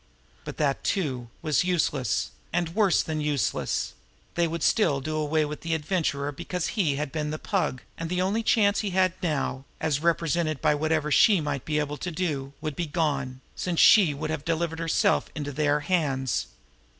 But that, too, was useless, and worse than useless; they would still do away with the Adventurer because he had been the Pug, and the only chance he now had, as represented by whatever she might be able to do, would be gone, since she would but have delivered herself into their hands.